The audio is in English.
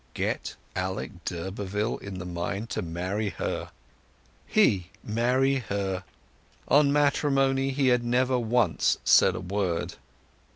Get Alec d'Urberville in the mind to marry her! He marry her! On matrimony he had never once said a word.